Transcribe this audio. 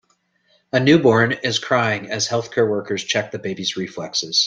A newborn is crying as healthcare workers check the baby 's reflexes.